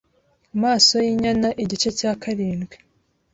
Masoyinyana Igice cya karindwi